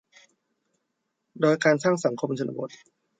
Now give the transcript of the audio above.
โดยการสร้างสังคมชนบท